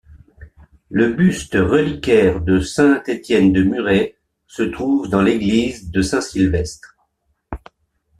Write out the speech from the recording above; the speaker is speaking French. Le buste reliquaire de saint Étienne de Muret se trouve dans l'église de Saint-Sylvestre.